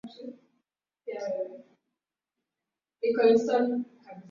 katika juhudi zao za kuwadhibiti al-Shabaab ilielezewa na maafisa wa jeshi la Marekani